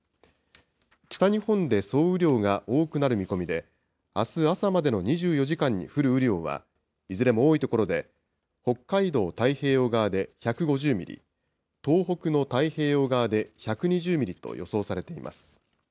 北日本で総雨量が多くなる見込みで、あす朝までの２４時間に降る雨量は、いずれも多い所で、北海道太平洋側で１５０ミリ、東北の太平洋側で１２０ミリと予想されています。